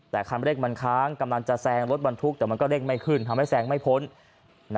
แต่คันเร่งมันค้างกำลังจะแซงรถบรรทุกแต่มันก็เร่งไม่ขึ้นทำให้แซงไม่พ้น